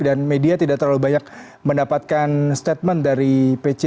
dan media tidak terlalu banyak mendapatkan statement dari pc